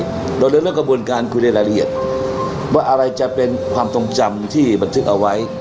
เราเลือกเรื่องกระบวนการคุยในรายละเอียดว่าอะไรจะเป็นความทรงจำที่บันทึกเอาไว้